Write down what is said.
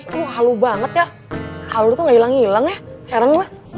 ini halu banget ya halu tuh gak hilang hilang ya heran lah